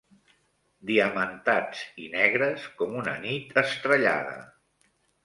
Diamantats i negres com una nit estrellada.